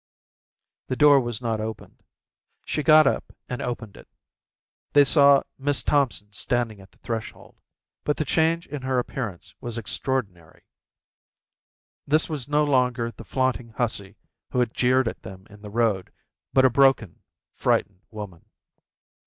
The door was not opened. She got up and opened it. They saw Miss Thompson standing at the threshold. But the change in her appearance was extraordinary. This was no longer the flaunting hussy who had jeered at them in the road, but a broken, frightened woman.